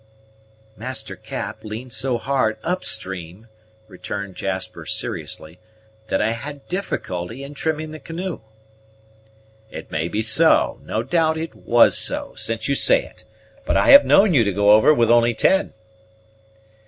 "Master Cap leaned so hard up stream," returned Jasper seriously, "that I had difficulty in trimming the canoe." "It may be so; no doubt it was so, since you say it; but I have known you go over with only ten."